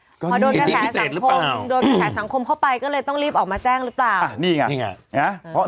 พอโดนกระแสสังคมเข้าไปก็เลยต้องรีบออกมาแจ้งรึเปล่า